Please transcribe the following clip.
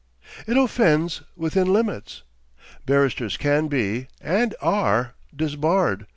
It offends within limits. Barristers can be, and are, disbarred.